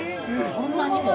そんなにも？